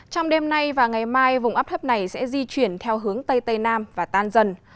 trong đêm nay và ngày mai vùng áp thấp này sẽ di chuyển theo hướng tây tây nam và tan dần